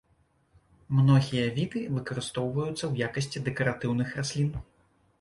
Многія віды выкарыстоўваюцца ў якасці дэкаратыўных раслін.